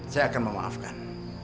saya akan memaafkan